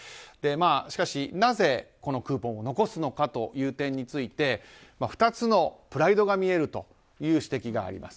しかし、なぜこのクーポンを残すのかという点について２つのプライドが見えるという指摘があります。